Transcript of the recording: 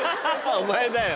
お前だよ。